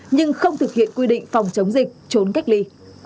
nhưng không thực hiện quy định phòng chống dịch trốn cách ly